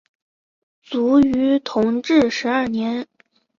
卒于同治十二年。